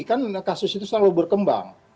kan kasus itu selalu berkembang